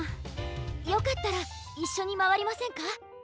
よかったらいっしょにまわりませんか？